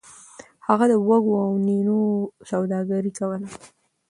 هغه د وږو او نینو سوداګري کوله.